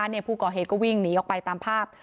ผู้ก่อเหตุก็วิ่งหนีออกไปตามภาพ